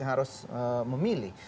yang harus memilih